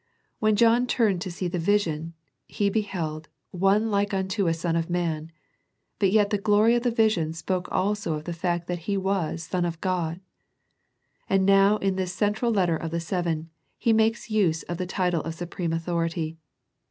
When John turned to see the vision, he " beheld One like unto a Son of man," but yet the glory of the vision spoke also of the fact that He was Son of God. And now in this central letter of the seven. He makes use of the title of su preme authority.